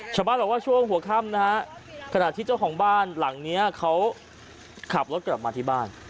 ชาวบ้านบอกว่าช่วงหัวค่ำนะฮะขณะที่เจ้าของบ้านหลังนี้เขาขับรถกลับมาที่บ้าน